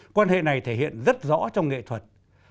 quan hệ này thể hiện rất rõ trong nghệ thuật